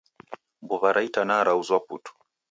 Mbuwa ra itanaa rauzwa putu